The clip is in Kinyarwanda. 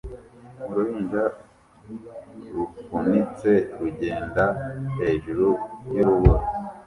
Uruhinja rufunitse rugenda hejuru yurubura